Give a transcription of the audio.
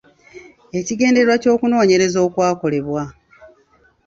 Ekigendererwa ky’okunoonyereza okwakolebwa.